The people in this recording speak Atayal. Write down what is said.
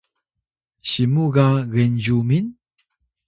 simu ga Genzyumin?